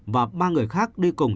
và ba người khác đi cùng